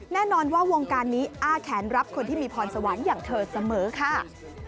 แน่นอนว่าวงการนี้อ้าแขนรับคนที่มีพรสวรรค์อย่างเธอเสมอค่ะ